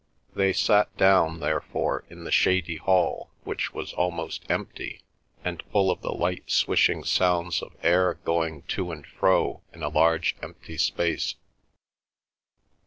They sat down, therefore, in the shady hall, which was almost empty, and full of the light swishing sounds of air going to and fro in a large empty space.